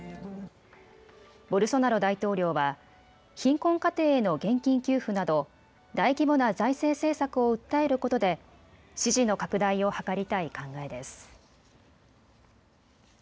ボルソナロ大統領は貧困家庭への現金給付など大規模な財政政策を訴えることで支持の拡大を図りたい考えです。